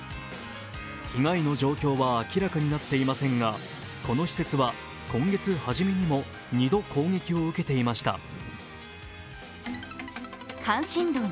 被害の状況は明らかになっていませんが、この施設は今月はじめにも２度攻撃を受けていました。